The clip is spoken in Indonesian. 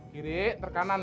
kiri terkanan nih